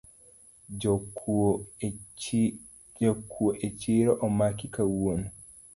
Jokuo echiro omaki kawuono